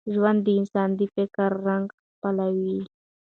ژوند د انسان د فکر رنګ خپلوي.